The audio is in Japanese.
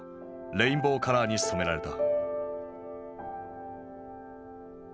レインボーカラーに染められた。